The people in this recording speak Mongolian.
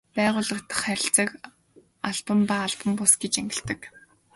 Байгууллага дахь харилцааг албан ба албан бус гэж ангилдаг.